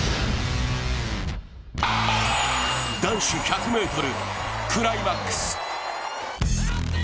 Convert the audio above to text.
男子１００ｍクライマックス。